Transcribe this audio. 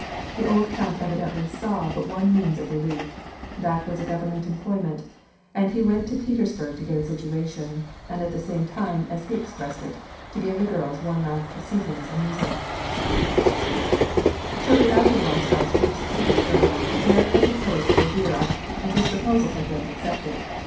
The old count evidently saw but one means of relief, — that was a govern ment employment, and he went to Petersburg to get a situation, and at the same time, as he expressed it, to give the girls one last season's amusement Shortly after the Rostofs reached Petersburg, Berg had proposed for Viera, and his proposal had been accepted.